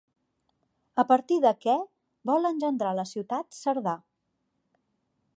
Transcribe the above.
A partir de què vol engendrar la ciutat Cerdà?